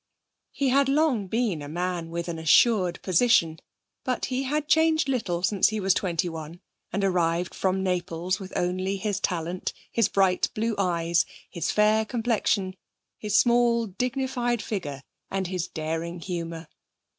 He had long been a man with an assured position, but he had changed little since he was twenty one, and arrived from Naples with only his talent, his bright blue eyes, his fair complexion, his small, dignified figure and his daring humour.